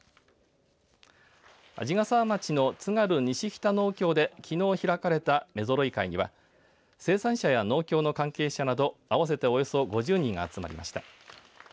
鯵ヶ沢町のつがるにしきた農協できのう開かれた目ぞろい会には生産者や農協の関係者など合わせておよそ５０人が集まりました。